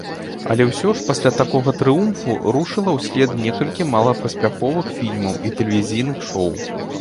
Але ўсё ж пасля такога трыумфу рушыла ўслед некалькі малапаспяховых фільмаў і тэлевізійных шоў.